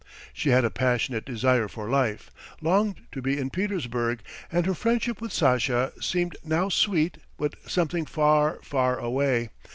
She had a passionate desire for life, longed to be in Petersburg, and her friendship with Sasha seemed now sweet but something far, far away!